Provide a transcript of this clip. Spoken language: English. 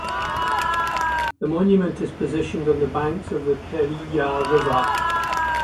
The monument is positioned on the banks of the Periyar River.